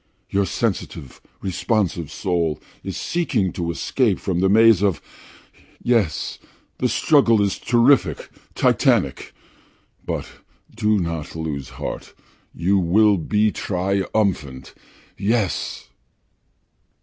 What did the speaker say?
"Your sensitive, responsive soul is seeking to escape from the maze of Yes, the struggle is terrific, titanic. But do not lose heart, you will be triumphant! Yes!"